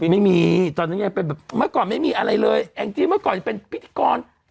ไม่มีตอนเมื่อก่อนไม่มีอะไรเลยแห่งจี๊วที่เมื่อก่อนเป็นพิจารณ์